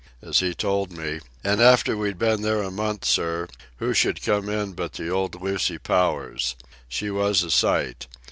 As he told me: "And after we'd been there a month, sir, who should come in but the old Lucy Powers. She was a sight!